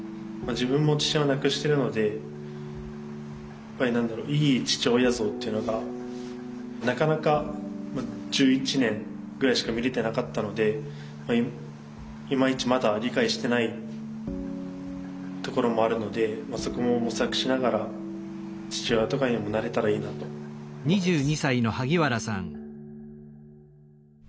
自分も父親を亡くしているのでやっぱり何だろういい父親像っていうのがなかなか１１年ぐらいしか見れてなかったのでいまいちまだ理解してないところもあるのでそこも模索しながら父親とかにもなれたらいいなと思ってます。